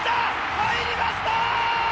入りました！